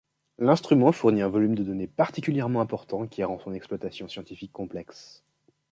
L'instrument fournit un volume de données particulièrement important qui rend son exploitation scientifique complexe.